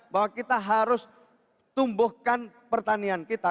bahwa kita harus tumbuhkan pertanian kita